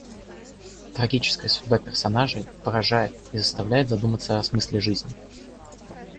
Трагическая судьба персонажей поражает и заставляет задуматься о смысле жизни.